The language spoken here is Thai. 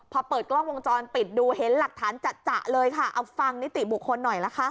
พอเปิดกล้องวงจรปิดดูเห็นหลักฐานจัดจะเลยค่ะเอาฟังนิติบุคคลหน่อยนะคะ